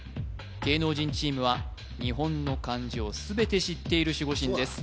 芸能人チームは日本の漢字を全て知っている守護神です